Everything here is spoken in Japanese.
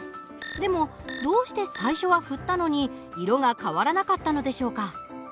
でもどうして最初は振ったのに色が変わらなかったのでしょうか？